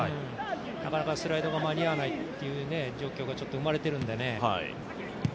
なかなかスライドが間に合わないっていう状況がちょっと生まれているのでね。